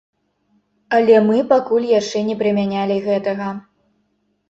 Але мы пакуль яшчэ не прымянялі гэтага.